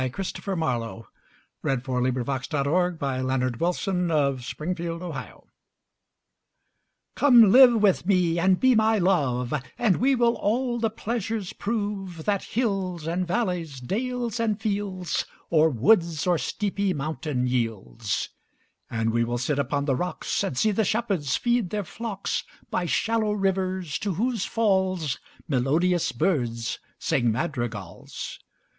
Christopher Marlowe. 1564–93 121. The Passionate Shepherd to His Love COME live with me and be my Love, And we will all the pleasures prove That hills and valleys, dales and fields, Or woods or steepy mountain yields. And we will sit upon the rocks, 5 And see the shepherds feed their flocks By shallow rivers, to whose falls Melodious birds sing madrigals.